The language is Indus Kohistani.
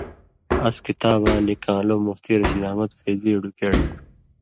اس کتاباں لِکان٘لو مفتی رشید احمد فیضی ایڈوکیٹ تُھو